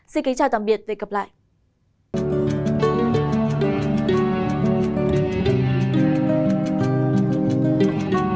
xin kính chào tạm biệt và hẹn gặp lại